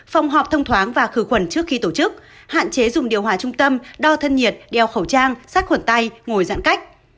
phòng họp thông thoáng và khử khuẩn trước khi tổ chức hạn chế dùng điều hòa trung tâm đo thân nhiệt đeo khẩu trang sát khuẩn tay ngồi giãn cách